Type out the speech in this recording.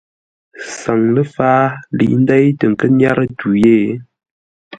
Saŋ ləfǎa lə̌i ndéi tə nkə́ nyárə́ tû yé.